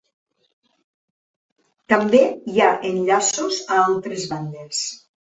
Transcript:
També hi ha enllaços a altres bandes.